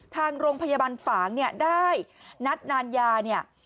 ทางโรงพยาบาลฝางเนี่ยได้นัดนานยาเนี่ย